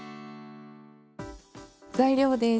材料です。